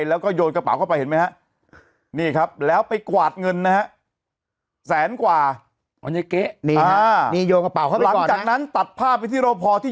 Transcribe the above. ยังไงยังไงยังไงยังไงยังไงยังไงยังไงยังไงยังไงยังไง